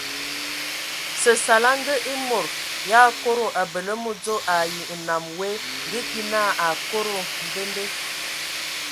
Səsala ngə e mod yʼakodo abələ mədzo ai nnam woe ngə ki na akodo mvende.